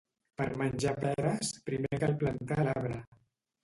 Per menjar peres, primer cal plantar l'arbre.